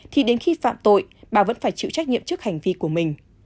thì đến khi phạm tội bà vẫn phải chịu trách nhiệm trước hành vi của mình